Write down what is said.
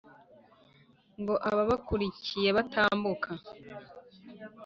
ngo ababakurikiye batambuka